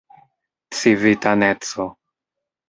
civitaneco